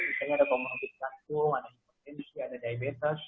misalnya ada comorbid gansu ada infeksi ada diabetes